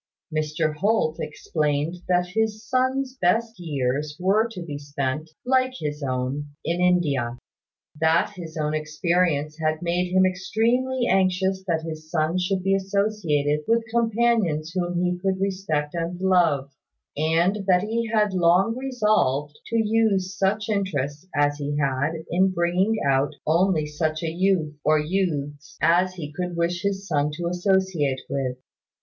Mr Holt explained that his son's best years were to be spent, like his own, in India; that his own experience had made him extremely anxious that his son should be associated with companions whom he could respect and love; and that he had long resolved to use such interest as he had in bringing out only such a youth, or youths, as he could wish his son to associate with.